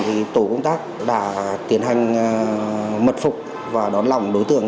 thì tổ công tác đã tiến hành mật phục và đón lòng đối tượng